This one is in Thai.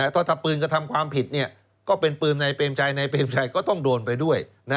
ถ้าปืนกระทำความผิดก็เป็นปืนนายเปรมชัยนายเปรมชัยก็ต้องโดนไปด้วย